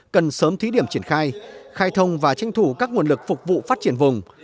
cần sớm thí điểm triển khai khai thông và tranh thủ các nguồn lực phục vụ phát triển vùng